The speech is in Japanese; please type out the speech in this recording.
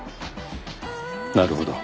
なるほど。